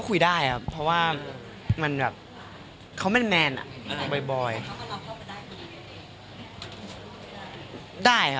เขาคุยอะไรก็คุยได้